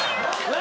何？